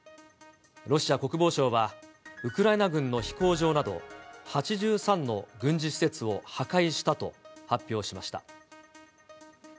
ロシア国防省は、ウクライナ軍の飛行場など、８３の軍事施設を破壊したと発表しました。